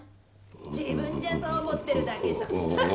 ・自分じゃそう思ってるだけさハッ！